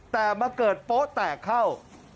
แต่มาเกิดโป๊ะแตกเข้า